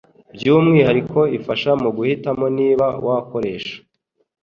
By'umwihariko ifasha muguhitamo niba wakoresha